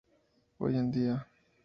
Hoy en dia.